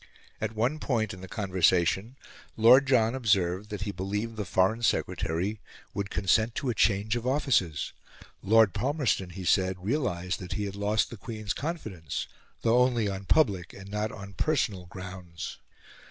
At one point in the conversation Lord John observed that he believed the Foreign Secretary would consent to a change of offices; Lord Palmerston, he said, realised that he had lost the Queen's confidence though only on public, and not on personal, grounds.